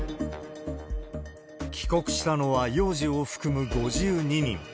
帰国したのは幼児を含む５２人。